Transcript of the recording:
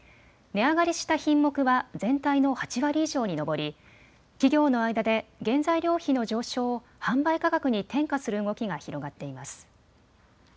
値上がりした品目は全体の８割以上に上り企業の間で原材料費の上昇を販売価格に転嫁する動きが広がっています。